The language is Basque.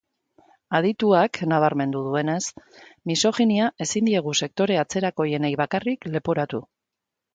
Adituak nabarmendu duenez, misoginia ezin diegu sektore atzerakoienei bakarrik leporatu.